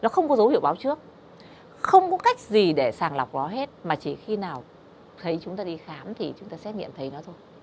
nó không có dấu hiệu báo trước không có cách gì để sàng lọc nó hết mà chỉ khi nào thấy chúng ta đi khám thì chúng ta xét nghiệm thấy nó thôi